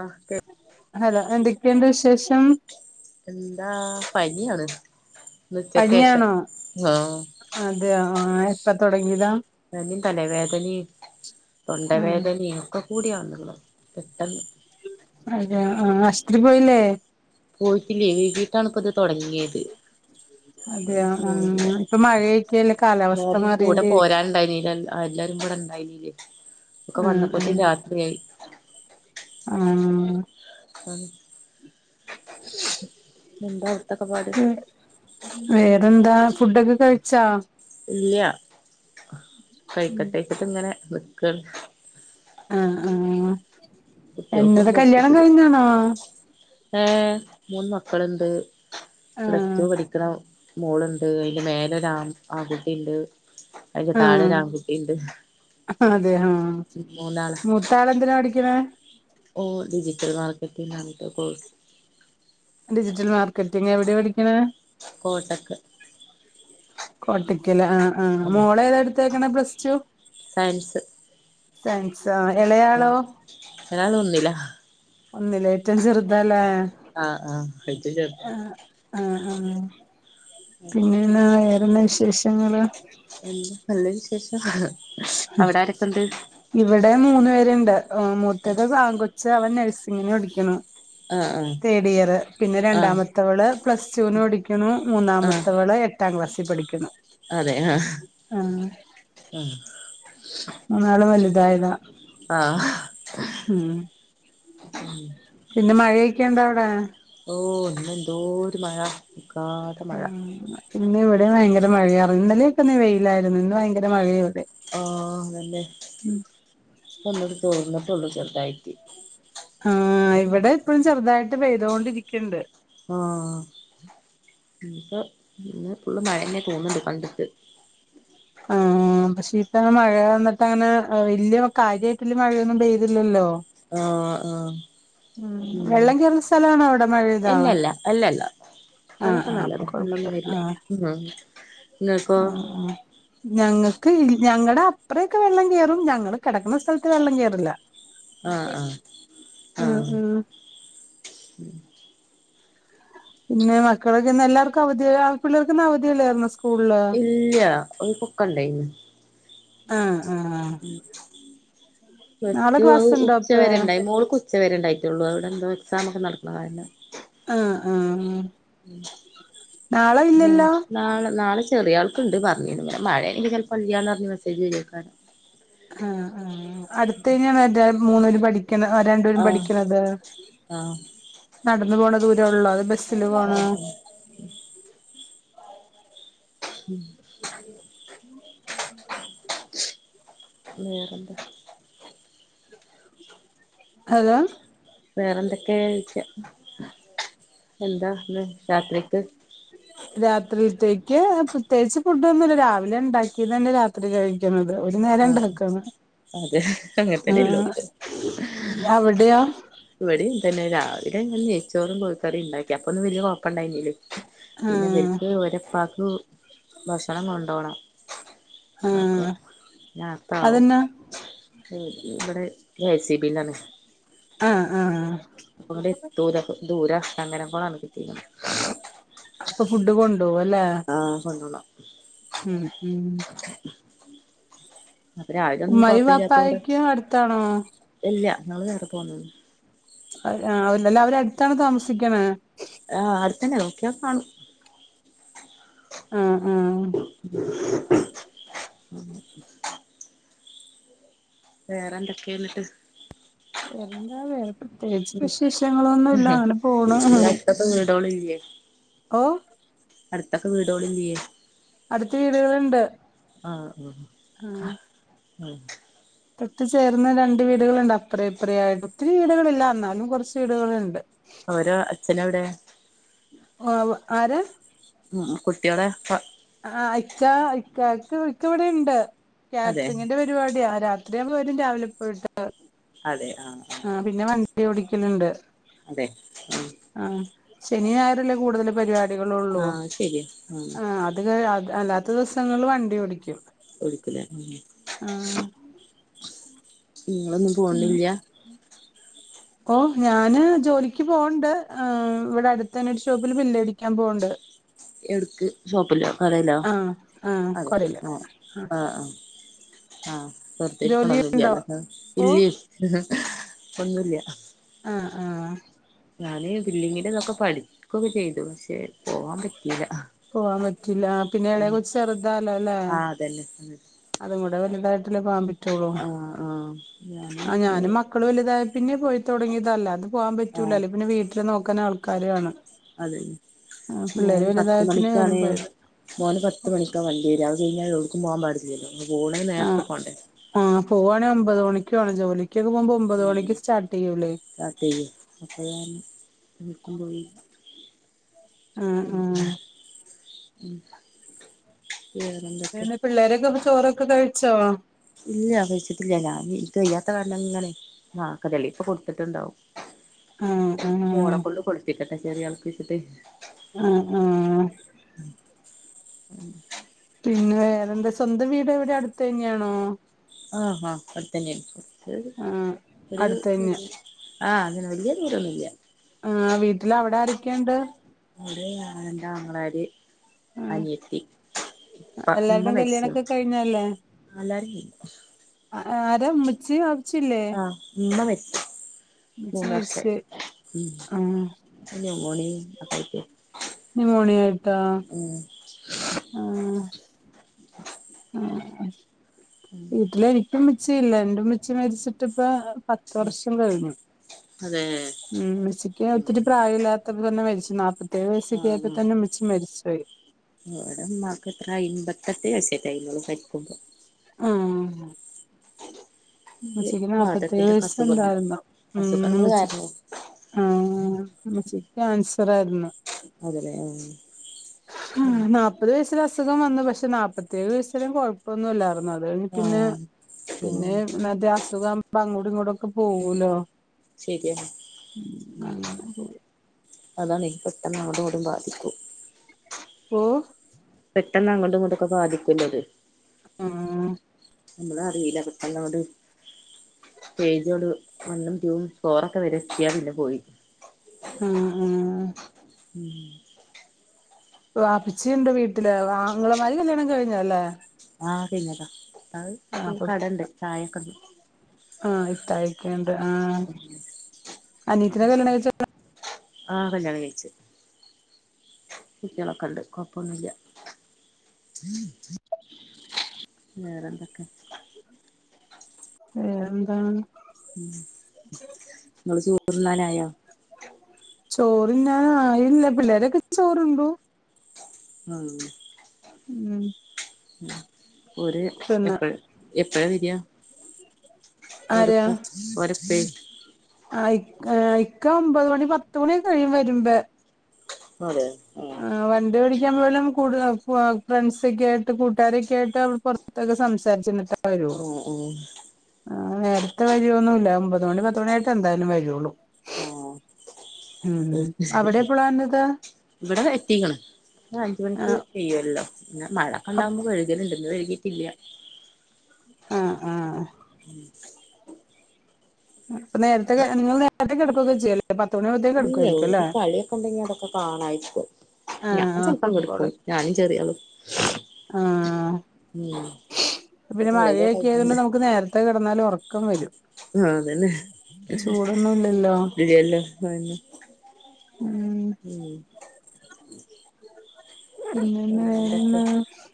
ആഹ് okay hello എന്തൊക്കെയുണ്ട് വിശേഷം. എന്താ പനിയാണ്. ഉച്ചക്കേഷം പനിയാണോ ആഹ് അതെയോ ആ എപ്പ തുടങ്ങിയതാ. നിം തലവേദനിം ഉം തൊണ്ടവേദനിം ഒക്കെ കൂടിയാണു വന്നത് പെട്ടെന്ന്. അയ്യോ ആ അശുത്രി പോയില്ലേ. പോയിട്ടില്ലേ വൈകിട്ടാണ് ഇപ്പ ഇത് തുടങ്ങിയത്. [inaudible] അഹ് ആ പോയില്ല ഇപ്പൊ മഴയൊക്കെയല്ലേ കാലാവസ്ഥ എല്ലാരും കൂടെ മാറിയേന്റെ ആയിരിക്കും പോരാണ്ടായിഞ്ഞില്ല എല്ലാരും ബടെ ഇണ്ടായിനി ഒക്കെ ആ വന്നപ്പത്തിനു രാത്രിയായി. ആഹ് ആഹ് എന്താ അവട്ത്തെക്കെ പാട് വേറെന്താ ഫുഡൊക്കെ കഴിച്ചാ. ഇല്ല ഉം കൈക്കട്ടേച്ച് ട്ടിങ്ങനെ നിക്കാണ് ആഹ് ആഹ് ആഹ് കുട്ട്യോൾക്കൊന്നും ങ്ങടെ കല്യാണം കഴിഞ്ഞാണോ? യേ മൂന്ന് മക്കള്ണ്ട് പ്ലസ് ടു പഠിക്കണ മോളുണ്ട് അയിന്റെ മേലൊരു ആ ആൺകുട്ടിണ്ട് അതിന്റെ താഴെ ഒര ആൺകുട്ടിണ്ട് ഹതെ ആഹ് ഉം മൂന്നാള് ഹൊ ഡിജിറ്റൽ മാർക്കറ്റിംഗ് അങ്ങനതാ കോഴ്സ് ഡിജിറ്റൽ മാർക്കറ്റിംഗ് എവിടെ പഠിക്കണെ കോട്ടക്ക കോട്ടക്കല് ആഹ് ആഹ് ഉം മോളേതാ എടുത്തക്കണേ പ്ലസ് ടു സയൻസ് സയൻസൊ ഇളയാളോ? ആ ഒരാള് ഒന്നിലാ ഒന്നില് ഏറ്റവും ചെറുതാല്ലേ? ആഹ് ആഹ് ഏറ്റം ചെർത് ആഹ് ആഹ് പിന്നെന്ന വേറെന്താ വിശേഷങ്ങള്? എന്താ നല്ല വിശേഷം ഹും അവിടെ ആരൊക്കെണ്ട് ഇവിടെ മൂന്നു പേരുണ്ട് മൂത്തത് ആൺകു ച്ച അവൻ നഴ്സിങ്ങിനു പടിക്ക്ണു ആ ആ തേഡിയറ് പിന്നെ ആ രണ്ടാമ ത്തവള് പ്ലസ്ടുന് പഠിക്ക്ണു ആ മൂന്നാമത്തെവള് എട്ടാം ക്ലാസ്സിൽ പഠിക്ക്ണു അതെ ആഹ് ആഹ് മൂന്നാളും വല്തായത ആ [inaudible] പിന്നെ മഴയൊക്കെണ്ടവിടെ? ഓ ഇന്ന് എന്തോരു മഴ നിക്കാതെ മഴ ആഹ് ഇന്ന് ഇവിടെ ഭയങ്കര മഴയ ഇന്നലെയൊക്കെന്ന വെയിലായിരുന്നു ഇന്ന് ഭയങ്കര മഴയ ഇവിടെ ആഹ് അതന്നെ ഒന്ന്ട്ട് തോർന്ന്ട്ടൊള്ളു ചെറുതായിട്ട് ആഹ് ഇവിടെ ഇപ്പഴും ചെറുതായിട്ട് പെയ്തൊണ്ടിരിക്ക്ണ്ട് ആഹ് ഇന്ന് ഇന്ന് ഫുള്ള് മഴന്നെ തോന്നുന്ന്ണ്ട് കണ്ടിട്ട് ആഹ് ആഹ് പക്ഷേ ഇത്തവണ മഴ എന്നിട്ട് അങ്ങനെ വല്യ കാര്യയിട്ട്ല്ലേ മഴയൊന്നും പെയ്തില്ലല്ലോ ആഹ് ആഹ് ഉം വെള്ളം കേറിയ സ്ഥല ആണോ അവിടെ മഴയതാ ഇല്ലല്ല അല്ലല്ല കാലൊക്കെ ആഹ് അപ്പൊ നല്ലതാ വെള്ളൊന്നും കൊഴപ്പ വരില്ല ആഹ് ഉം നിങ്ങക്കോ ആഹ് ഞങ്ങക്ക് ഞങ്ങടെ അപ്പ്രൊക്കെ വെള്ളം കേറും ഞങ്ങള് കെടക്കുന്ന സ്ഥലത്ത് വെള്ളം കേറില്ല ആഹ് ആഹ് ഉം ആഹ് ഉം പിന്നെ മക്കള്ക്ക്ന്ന് എല്ലാർക്കും അവധി ആ പിള്ളേർക്ക്ന്ന് അവധിഅല്ലായിരുന്നൊ സ്കു ഇല്ല്യ ഓൾക്കൊക്കെ ഇന്ടെയെന്നു ആഹ് ആഹ് ആഹ് [unintelligible] ക്ലാസ്സുണ്ടോ അപ്പെ ഉച്ചവരെണ്ടായി മോൾക്ക് ഉച്ച വരെ ണ്ടായിട്ടൊള്ളൂ അവിടെ എന്തോ എക്സാം ഒക്ക നടക്ക്ണ കാരണം ആഹ് ആഹ് നാളെ ഹലൊ ഇല്ലല്ലോ നാളെ നാളെ ചെറിയ ആൾ ക്ക്ണ്ട് പറഞ്ഞിന്നു ഇങ്ങനെ മഴെ യാണങ്കി ചെലപ്പോ ഇല്യാന്ന് പറഞ് മെസേജ്വരെക്കാരം ആഹ് അടുത്ത കഴിഞ്ഞാണ് മൂന്നര് പഠിക്ക രണ്ട്പേരും ആഹ് പഠിക്ക്ണത് ആഹ് നടന്ന് പോണ ദൂരള്ളൊ അഹ് ഉം ഉം വേറെ എന്ത ഹലോ വേറെന്തൊക്കെ ച്ച എന്താ ഇന്ന് രാത്രിക്ക് രാത്രിത്തേക്ക് പ്രത്യേകിച്ച് ഫുഡൊ ഒന്നുല്ല രാവിലെ ഉണ്ടാക്കിയ തന്നെ രാത്രി കഴി ന്നത് ഒരു നേരം ആഹ് ഉണ്ടാക്കാണ് അതെ അങ്ങനത്തന്നെല്ലോ ആഹ് ട്ത്തും അവിടെയോ ഇവിടെ തന്നെ രാവിലെ നെയ്ച്ചോറും കോഴിക്കറിം ഇണ്ടാക്കി അപ്പൊന്ന് വലിയ കുഴപ്പണ്ടായിനല്ലേ പിന്നെ ആഹ് ഇവര്ക്ക് ഒരപ്പാക്ക് ഭക്ഷണം കൊണ്ടപോണം അപ്പൊ ആഹ് ഞാത്ത അതന്നെ ഇടെ കെസി ബിലാണ് ആഹ് ആഹ് അപ്പൊ ഇങ്ങ എത്തൂല ദൂര ചെങ്കര കൊളാണ് കിട്ടയിന്നത് അപ്പൊ ഫുഡ് കൊണ്ട വല്ലേ ആഹ് സന്നോളാം ഉം ഉം അപ്പ ആരൊന്നും ഉമ്മായും കൊഴപ്പില്ലാത്തോണ്ട് വാപ്പായ്ക്കും അടുത്താണോ ഇല്ല നമ്മള് വേറെ പോന്നത് ല്ലല്ല അവര് അടുത്താണ് താമസിക്കണ ആ അടുത്ത തന്നെ നോക്കിയാ കാണും ആഹ് ആഹ് ഉ വേറെ എന്തൊക്കെയന്നിട്ട് എന്താ വേറെ പ്രത്യേകിച്ച് വിശേഷങ്ങളൊന്നുല്ല അങ്ങനെ പോണ ഇ നീടോളില്ലേ ഓ അടുത്തൊക്കെ വീടുകളോളില്ലയേ അടുത്ത വീടുകളുണ്ട് ആഹ് ആഹ് ആങ്ങനെ ഉം തൊട്ടു ചേർന്ന് രണ്ട് വീടുകളുണ്ട് അപ്പ്ര ഇപ്ര ആയിട്ട് ഒത്തിരി വീടുകളില്ല എന്നാലും കുറച്ച് വീടുകളുണ്ട് പ്പ അവരോ അച്ഛന എവിടെ ആ ആര് ഉം കുട്ടിയോള ആ ഐക്ക അക്കക്ക് ഇക്ക ഇവിടെുണ്ട് അതെ കാറ്ററിങ്ങിന്റെ പരിപാടിയാ രാത്രി എത്രയാ പേരും രാവിലെ പോയിട്ട് അതെ ആഹ് ആ പിന്നെ വണ്ടി ഓടിക്കലണ്ട് അതെ ആ ശനിയാ ഞായറില്ലേ കൂടുതൽ പരിപാടികള ഉള്ളൂ ആഹ് ശരിയാ ആഹ് അത് അല്ലാത്ത ദിവസങ്ങള് വണ്ടി ഓടിക്കും ഒളിക്കല ആഹ് നിങ്ങളൊന്നും പോണില്ല ഓ ഞാന് ജോലിക്ക് പോകണ്ട് ഇവിടെ അടുത്തന്നെ ഒരു ഷോപ്പില് ബില്ലടിക്കാൻ പോവണ്ട് എടുക്ക് ഷോപ്പില കഥയിലോ ആഹ് ആഹ് അതെ കൊഴയില്ല ആ ആ ആഹ് ആഹ് ജോലിയുണ്ടോ പെറത്തിരിക്കണൊന്നില്ലല്ലോ ഓ ഇല്ല ഒന്നുംല്ല ആഹ് ആഹ് ഞാന് ബില്ലിങ്ങിന്റെതൊക്കെ പഠിക്കൊക്കെ ചെയ്തു. പക്ഷെ പോവാൻ പറ്റ് പോവാൻ പറ്റില്ല പിന്നെ ഇളയെ ആഹ് കൊച്ച് ചെറുതാലോ അല്ലേ ആഹ് അതന്നെ അതും കൂടെ വലുതായിട്ട പോകാൻ പറ്റുള്ളൂ ആഹ് ആഹ് ഞാന് ആഹ് ഞാനും മക് മക്കൾ വലുത പിന്നെ പോയി തുടങ്ങിയതല്ല അത് പോകാൻ പറ്റൂല അല്ലേ പിന്നെ വീട്ടില് നോക്കാ ആൾക്കാരാണ് അതെ മോൻ വലുതായ പത്ത് പിന്നെ ഞാനും മണിക്കാണ് പോയത് മോനെ പത്ത് മണിക്കാ വണ്ടി വരും അവത് കഴിഞ്ഞാൽ എടുക്കും പോകൻ പാടില്ലല്ലോ പോണേ നേരത്തെ ആഹ് പോണ്ടേ ആഹ് പോവാണങ്കിൽ ഒമ്പത് മണിക്ക് പോണം ജോലിക്കൊക്ക പോക്മ്പോ ഒമ്പത് മണിക്ക് സ്റ്റാർട്ട് ചെയ്യൂല്ലേ അതെന്നെ അപ്പൊ ഞാൻ എവിട്ക്കും പോയി ആഹ് ട്ടില്ല. ആഹ് ഉം വേറെന്ത? അതെന്നെ പിള്ളേരൊക്കെ ഇപ്പൊ ചോറൊക്കെ കഴിച്ചോ ഇല്ല കഴിച്ചിട്ടില്ല ഞാന് ഇൻക്ക് വയ്യാത്ത കാരണം ഇങ്ങനെ ആഹ് കദളി ഇപ്പൊ കൊടുത്തിട്ടുണ്ടാവും ആഹ് ആഹ് മോളക്കൊണ്ട് കൊടിപ്പിക്കട്ടെ ചെറിയ അളപ്പിച്ചിട്ട് അഹ് ആഹ് ആഹ് പിന്നെ വേറെന്താ സ്വന്തം വീട് എവിടെ അടുത്തു തന്ന്യാണോ? ആഹ് ഹാ അടുത്തന്നെയാണ് കൊർച്ച് ആഹ് ഒരു അടുത്ത് തന്നെ ആഹ് അതിന് വല്ല്യ ദൂരോന്നൂല്ല ആഹ് വീട്ടില് അവിടെ ആരൊക്കെണ്ട്? അവിടെ ഞാനെന്റെ അങ്ങളാര് ആഹ് അനിയത്തി ഉപ്പ ഉമ്മ എല്ലാരുടെയും മരിച്ചു കല്യാണൊക്കെ കഴിഞ്ഞല്ലേ നല്ലാരും ആരാ ഉമ്മച്ചി അവ് ആഹ് ഉമ്മ മരിച്ചു ഉമ്മച്ചി മൂന്ന് വർഷായി മരിച്ച് ഉം ആഹ് നുമോണി [unintelligible] നുമോണി ആയിട്ടാ ഉം ആഹ് [unintelligible] വീട്ട്ല് എനിക്കു മ്മച്ചിയില്ല എന്റുമ്മച്ചി മരിച്ചിട്ട്പ്പോ പത്ത് വർഷം കഴിഞ്ഞു അതേ ഉം ഇമ്മച്ചിക്ക് ഒത്തിരി പ്രായല്ലാത്തപ്പ തന്നെ മരിച്ചു നാപ്പത്തേഴ് വയസ്സൊക്കെ ആയപ്പോ തന്നെ മ്മച്ചി മരിച്ചോയി ഇവടെ മ്മാക്ക് എത്രേ അയ്മ്പത്തെട്ട് വയസ്സേറ്റായിന്നൊള്ളൂ മരിക്കുമ്പം ആഹ് ഈ മ്മച്ചിക്ക് ന്നാപ്പത്തേഴ് വാതത്തിന്റെക്കെ വയസ്സ് അസുഖണ്ട് ണ്ടായ്രുന്നു മ് ന്ന് അസുഖങ്ങള് മ്മച്ചി കാരണം ആഹ് മ്മച്ചിക് കേൻസറായ്രുന്നു അതലേ ആഹ് മ് ന്നാപ്പത് വയസ്സ്ല് അസുഖം വന്നു പക്ഷെ ന്നാപ്പത്തേഴ് വയസ്സ് രേം കൊഴപ്പൊന്നുംല്ലായിരുന്നു അൽ [unintelligible] പിന്നേ ആഹ് ഉം പിന്നേ മെറ്റേ അസുഖം പ്പം അങ്ങോട്ടു ഇങ്ങോട്ടൊക്കെ പോവൂലോ ശരിയാണ് മ് അങ്ങനെ പോയി അതാണെ പെട്ടെന്ന് അങട്ടുംഇങട്ടും ബാധിക്കു ഓഹ് പെട്ടെന്ന് അങ്ങട്ടും ഇങ്ങട്ടുക്കെ ബാധിക്കുല്ലൊ അത് ആഹ് ന്നമ്മള് അറീല പെട്ടെന്നങ്ങട് സ്റ്റേജിയട് വണ്ണും റ്റൂ ഉം ഫോറൊക്കെ വരെത്തിയാ പിന്നെ പോയി ആഹ് ആഹ് ഉം വാപ്ച്ചിണ്ട് വീട്ടില് ആങ്ങളമാര് കല്യാണം കഴിഞ്ഞേല്ലേ ആഹ് കഴ്ഞ്ഞതാ അത് ഈ അപ്പൊ കടണ്ട് ചായക്കൊള്ള ആഹ് ഇ ത്തയ്ക്കേണ്ട് ആഹ് അനീത്തിനെ കല്യാണം കയ്ച്ചെ നെ ആഹ് കല്ല്യാണം കഴ്ച്ച് മ് ട്ടിളൊക്ക ണ്ട് കൊപ്പൊന്നുല്ല. വേറന്തൊക്കെ? വേറെന്താണ്? ഇങ്ങള് സൂർന്നനായോ? ചോറ് ന്നാനാഈല്ല പിള്ളേരൊക്കെ ച്ചോറുണ്ടു. ആഹ് മ് ഒര് പിന്നെ എപ്പഴാ എപ്പഴാ വരാ? ഓരെ കൂ [unintelligible] ഓരെ പ്പെ ആഹ് ഇക്ക ഒമ്പത് മണി പത്തുമണിയൊക്ക കഴിയും വരുമ്പേ അതേ ആഹ് വണ്ടി ഓടിക്കാം പോലും കൂട്ആ [unintelligible] ഫ്രൻസൊക്കെ ആയിട്ട് കൂട്ടാരൊക്കെ ആയിട്ട് അവർ പൊർത്തൊക്കെ സംസാരിച്ചി ന്ന്ട്ടാ വരുഒള്ളൂ ആഹ് ആഹ് ആഹ് നേരത്തെ വരുഒന്നുല്ല ഒമ്പത് മണി പത്തുമണി ആയിട്ടാ എന്തായാലും വരൊള്ളൂ. ആഹ് മ് അവിടെ എപ്പളാ വന്നത്ത്? ഇവിടെ എത്തിക്ക്ണ് ര് അഞ്ച് ആ മണിക്ക്. പെയ്യുല്ലോ പിന്നെ മഴൊക്കെ ഇണ്ടാവുബം വെഴ്കല്ണ്ട് ഇന്ന് വെഴ്കീട്ടില്ല. ആഹ് ആഹ് മ് അപ്പ ന്നേരത്തെ ഇങ്ങള് ന്നേരത്തെ കെട്ക്കൊക്കെ ചെയ്യുല്ലേ ഒര് പത്ത്മണിആഉബത്തേ ഇല്ലൽ ഒരു കളിഒക്കെ ഇണ്ടെങ്കി അതൊക്കെ കാണും ആയ്ച്ചേൽ ആ ഞാൻ ആ ചെൽപം കെട്ക്കും ഞാനും ചെറീതും ആഹ് പിന്നെ കളിയുടെ മഴയൊക്കെ ആയതോണ്ട് ടൈമല്ലേ ന്നമുക്ക് ന്നേര നേരത്തെ കിടന്നാലും ഉറക്കം വരും. ആഹ് അതന്നെ ചൂടൊന്നും ഇല്ലല്ലോ ഇല്ലല്ലോ [unintelligible] ഉം ഉം വേറെന്തൊക്കെ [unintelligible]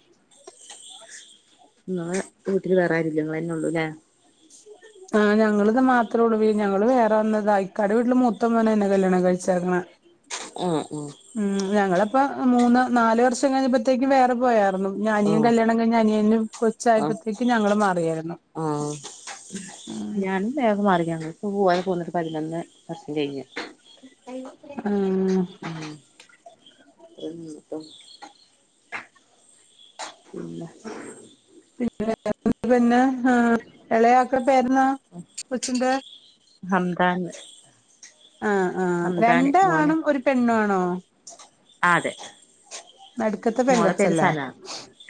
ഇങ്ങളെ വീട്ടില് വേറെ ആരൂല്ല. ഇങ്ങളെന്നോളും ഇല്ലെ? [inaudible] ആഹ് ഞങ്ങളത് മാത്രുള്ളൂ. ഞങ്ങള് വേറെ വന്നതാ. ഇക്കാടെ വീട്ടില് മൂത്ത മോന എന്നെ കല്യാണം കഴിച്ചെക്ക്ണ് ആഹ് ഉം ഉം ഞങ്ങളപ്പ മൂന്ന് നാല് വർഷം കഴിഞ്ഞപ്പോത്തേക്കും വേറെ പോയാർന്നു. പിന്നെ അനിയൻ ആഹ് കല്യാണം ആഹ് കൊച്ചയപ്പോഴത്തേക്ക് ഞങ്ങള് മാറിയായരണം. ആഹ് ഞാനും വേഗം മാറി. ഞങ്ങൾ ഇപ്പോ പോവാതെ പോന്ന്ട്ട് പതിനൊന്നെ പത്ത് കഴിഞ്ഞു. ആഹ് ഉം [inaudible] പിന്നെ? പിന്നെ പിന്നെ ആ എളയാ ആക്ക പേരുന്നാ കൊച്ചിന്റെ? ഹംദാൻ ആഹ് ആ ഹംദാൻ രണ്ട് മോന് ആണും ഒരു പെണ്ണു ആണോ? അതെ നടുക്കത്തെ മോളെ പേര് പെങ്കൊച്ചല്ലെ? സന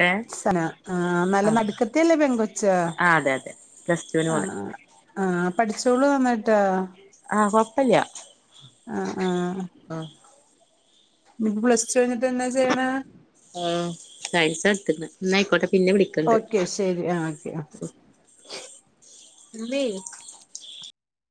ഏഹ് സന ആഹ് നടുക്കത്തെയല്ലെ പെൺ കൊച്ച് ആഹ് അതെ അതെ പ്ലസ് ടുവിന് പോണ് ആഹ് ആഹ് പഠിച്ചോളൂ നന്നായിട്ട്? ആഹ് കൊഴപ്പല്ല ആഹ് ആ ആ നിപ്പോ പ്ലസ് ടു കഴിഞ്ഞട്ട്ന് എന്താ ചെയ്യ്ണ്? ആഹ് സയൻസാട്ത്ത്ക്ക്ണ് ഇന്നായിക്കോട്ടെ പിന്നെ വിളിക്കണ്ട് ഓക്കെ ശരി ആ ഓക്കെ ആ ഇമ്മേയ്